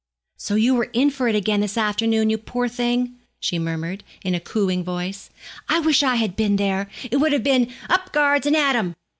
'So you were in for it again this afternoon, you poor dear thing,' she murmured, in a cooing voice. 'I wish I had been there. It would have been "Up, guards, and at 'em!"